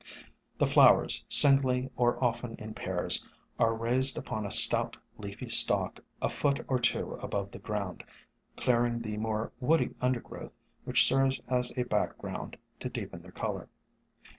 The flowers, singly or often in pairs, are raised upon a stout, leafy stalk a foot or two above the ground, clearing the more woody undergrowth which serves as a background to deepen their color.